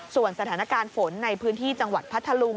ส่วนสถานการณ์ฝนในพื้นที่จังหวัดพัทธลุง